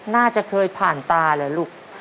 น่าจะเคยผ่านตาเลยลูก